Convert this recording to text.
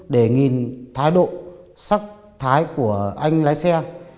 để nhìn thái độ sắc thái của anh lái xe